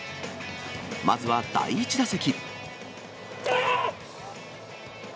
まずは第１打席。